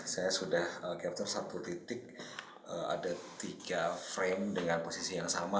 saya sudah capture satu titik ada tiga frame dengan posisi yang sama